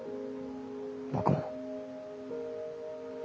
僕も。